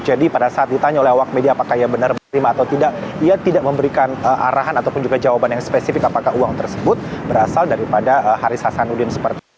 jadi pada saat ditanya oleh awak media apakah ia benar menerima atau tidak ia tidak memberikan arahan ataupun juga jawaban yang spesifik apakah uang tersebut berasal daripada haris hasanuddin